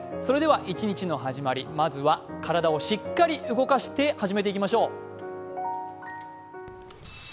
一日の始まり、まずは体をしっかり動かして始めていきましょう。